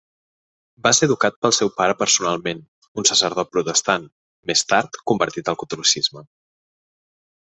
Va ser educat pel seu pare personalment, un sacerdot protestant, més tard convertit al catolicisme.